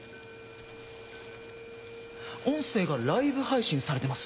音声がライブ配信されてます。